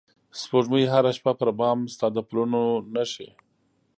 سپوږمۍ هره شپه پر بام ستا د پلونو نښې